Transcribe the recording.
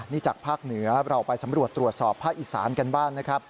นี่จากภาคเหนือเราไปสำรวจตรวจสอบพระอิษรรณ์กันบ้าง